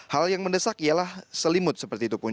hal yang mendesak ialah selimut seperti itu pun